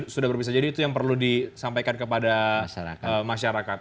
sudah berbisa jadi itu yang perlu disampaikan kepada masyarakat